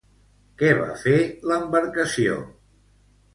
Què va fer l'embarcació?